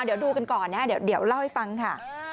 เดี๋ยวดูกันก่อนนะเดี๋ยวเล่าให้ฟังค่ะ